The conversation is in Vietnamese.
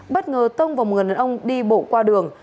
bất ngờ tông vào người đàn ông đi bộ qua đường